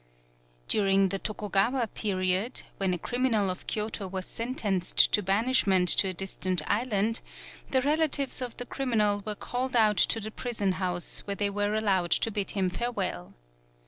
During the Toku gawa period, when a criminal of Kyoto was sentenced to banishment to a dis tant island, the relatives of the criminal were called out to the prison house where they were allowed to bid him farewell.